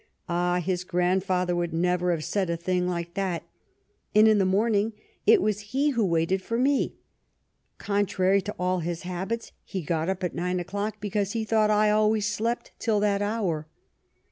Ah ! his grandfather would never have said a thing like that. And in the morning, it was he who waited for me. Contrary to all his habits, he got up at nine o'clock, because he thought I always slept till that hour.